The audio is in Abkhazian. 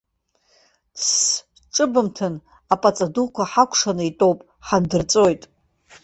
Тсс, ҿыбымҭын, аԥаҵа дуқәа ҳакәшаны итәоуп, ҳандырҵәоит.